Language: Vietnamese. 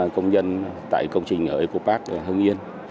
một tám trăm linh công nhân tại công trình ở eco park hưng yên